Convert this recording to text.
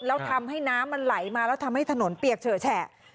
แล้วทำให้น้ำมันไหลมาแล้วทำให้ถนนเปียกเฉอะแฉะ